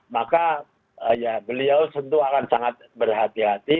maka beliau tentu akan sangat berhati hati